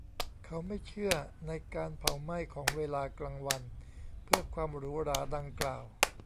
เขาไม่เชื่อในการเผาไหม้ของเวลากลางวันเพื่อความหรูหราดังกล่าว